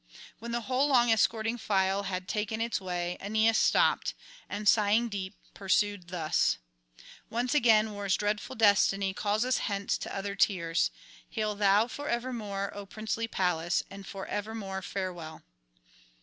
When the whole long escorting file had taken its way, Aeneas stopped, and sighing deep, pursued thus: 'Once again war's dreadful destiny calls us hence to other tears: [97 129]hail thou for evermore, O princely Pallas, and for evermore farewell.'